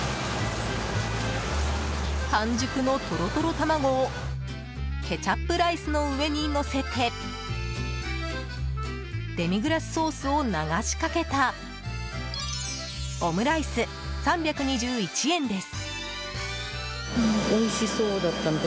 半熟のトロトロ卵をケチャップライスの上にのせてデミグラスソースを流しかけたオムライス、３２１円です。